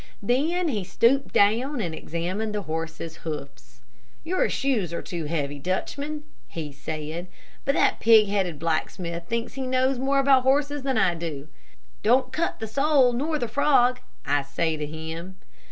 Then he stooped down and examined the horse's hoofs. "Your shoes are too heavy, Dutchman," he said; "but that pig headed blacksmith thinks he knows more about horses than I do. 'Don't cut the sole nor the frog,' I say to him.